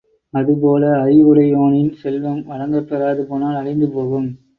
அதுபோல அறிவுடையோனின் செல்வம் வழங்கப் பெறாது போனால் அழிந்துபோகும்.